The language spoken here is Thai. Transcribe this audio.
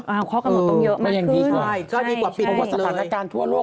ข้อกระหม่อตรงเยอะมากขึ้นใช่ใช่ใช่ใช่ใช่เพราะว่าสถานการณ์ทั่วโลก